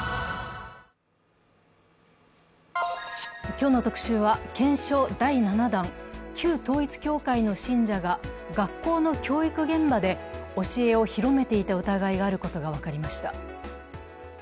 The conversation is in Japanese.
今日の特集は、検証７弾、旧統一教会の信者が学校の教育現場で教えを広めていた疑いがあることが分かりました。